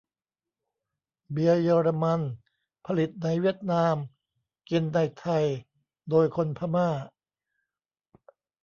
เบียร์เยอรมัน ผลิตในเวียดนาม กินในไทย โดยคนพม่า